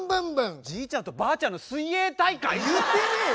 じいちゃんとばあちゃんの水泳大会？言ってねえよ！